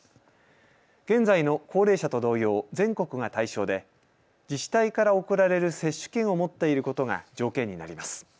現在の高齢者と同様、全国が対象で自治体から送られる接種券を持っていることが条件になります。